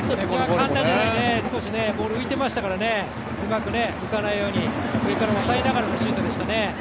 簡単じゃないね少しボール浮いてましたからうまくうかないように、上から押さえながらのシュートでした。